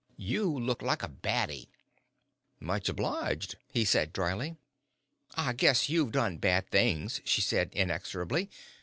You looked like a baddie." "Much obliged," he said, dryly. "I guess you've done bad things," she said, inexorably.